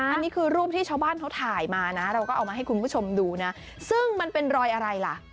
อันนี้คือรูปที่ชาวบ้านเขาถ่ายมานะเราก็เอามาให้คุณผู้ชมดูนะซึ่งมันเป็นรอยอะไรล่ะ